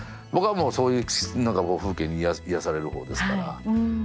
僕はもうそういう風景に癒やされる方ですから。